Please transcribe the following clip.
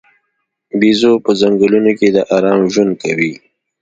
بیزو په ځنګلونو کې د آرام ژوند کوي.